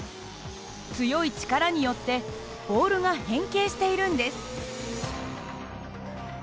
強い力によってボールが変形しているんです。